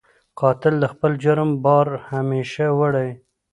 قاتل د خپل جرم بار همېشه وړي